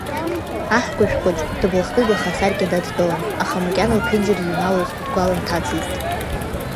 Аҳкәажә хәыҷ дыблахкыгаха асаркьа дадтәалан, аха макьана лԥенџьыр иҩналоз дгәалымҭацызт.